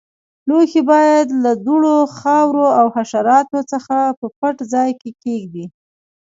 لوښي باید له دوړو، خاورو او حشراتو څخه په پټ ځای کې کېږدئ.